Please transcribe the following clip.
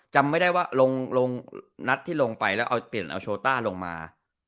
จำไม่ได้ว่านัดที่ลงไปแล้วเอาโชว์ต้าลงมา